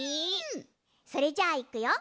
それじゃあいくよ。